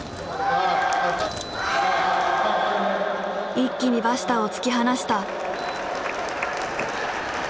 一気にバシタを突き放した。